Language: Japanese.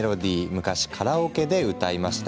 昔、カラオケで歌いました。